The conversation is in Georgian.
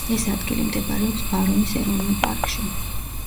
ეს ადგილი მდებარეობს ბარონის ეროვნული პარკში.